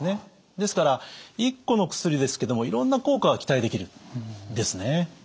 ですから一個の薬ですけどもいろんな効果が期待できるんですね。